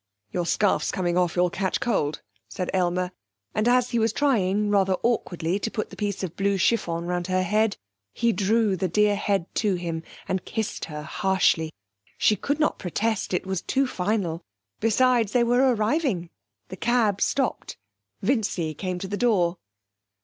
'Your scarf's coming off, you'll catch cold,' said Aylmer, and as he was trying, rather awkwardly, to put the piece of blue chiffon round her head he drew the dear head to him and kissed her harshly. She could not protest; it was too final; besides, they were arriving; the cab stopped. Vincy came to the door.